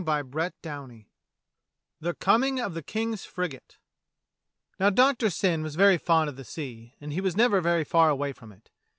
CHAPTER II THE COMING OF THE KING*S FRIGATE NOW Doctor Syn was very fond of the sea, and he was never far away from it.